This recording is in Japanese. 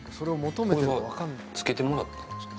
これは付けてもらったんですか？